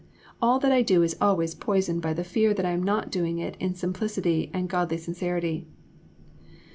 All that I do is always poisoned by the fear that I am not doing it in simplicity and godly sincerity."